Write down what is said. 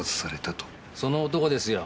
その男ですよ。